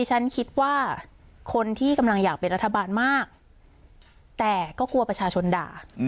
ฉันคิดว่าคนที่กำลังอยากเป็นรัฐบาลมากแต่ก็กลัวประชาชนด่า